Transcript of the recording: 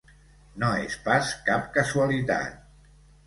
No és pas cap casualitat.